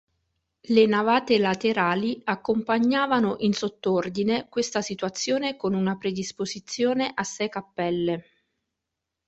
Le navate laterali accompagnavano in sottordine questa situazione con una predisposizione a sei cappelle.